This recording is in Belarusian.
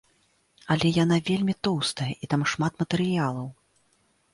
Але яна вельмі тоўстая і там шмат матэрыялаў.